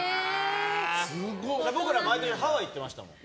だから僕ら毎年ハワイ行ってましたもん。